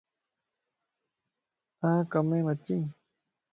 آن ڪم يم اچي؟